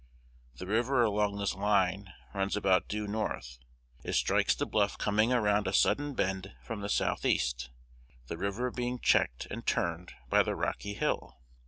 The river along this line runs about due north: it strikes the bluff coming around a sudden bend from the south east, the river being checked and turned by the rocky hill.